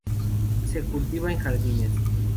Se cultiva en jardines.